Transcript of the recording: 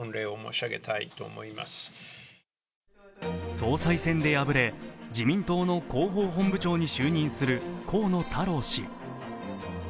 総裁選で敗れ、自民党の広報本部長に就任する河野太郎氏。